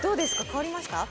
変わりました？